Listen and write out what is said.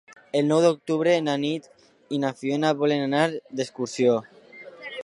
El nou d'octubre na Nit i na Fiona volen anar d'excursió.